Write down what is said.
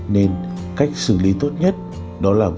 nên cách xử lý tốt nhất đó là vứt bỏ nó